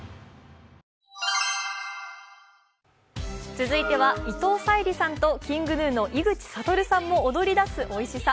続いては、伊藤沙莉さんとＫｉｎｇＧｎｕの井口理さんも踊り出すおいしさ。